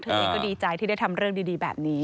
เองก็ดีใจที่ได้ทำเรื่องดีแบบนี้